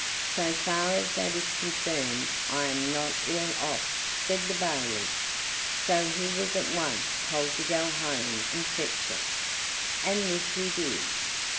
"So far as that is concerned, I am not ill off," said the bailiff; so he was at once told to go home and fetch it, and this he did.